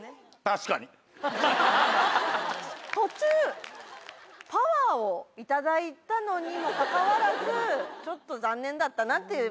途中、パワーを頂いたのにもかかわらず、ちょっと残念だったなっていう。